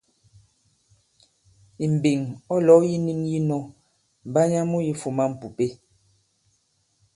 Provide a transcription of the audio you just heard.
Ì mbeŋ, ɔ̌ lɔ̌w yi nĩn yī nɔ̄, Mbanya mu yifūmā m̀pùpe.